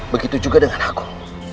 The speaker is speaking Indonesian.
begitu juga dengan aku